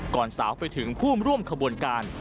ก่อนสาวไปถึงภูมิร่วมขบวนการ